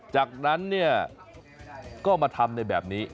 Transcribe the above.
จากนั้นเนี่ยก็มาทำในแบบนี้